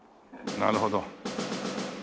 なるほど。